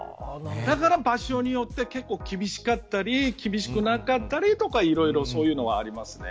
だから場所によって結構厳しかったり厳しくなかったりとか、いろいろそういうのはありますね。